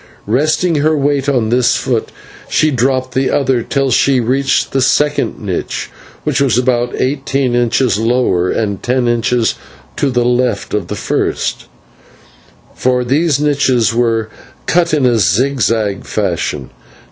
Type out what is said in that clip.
Resting her weight on this foot, she dropped the other till she reached the second niche, which was about eighteen inches lower and ten inches to the left of the first, for these niches were cut in a zig zag fashion, No.